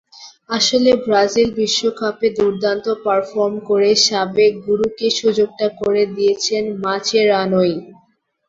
আসলে ব্রাজিল বিশ্বকাপে দুর্দান্ত পারফর্ম করে সাবেক গুরুকে সুযোগটা করে দিয়েছেন মাচেরানোই।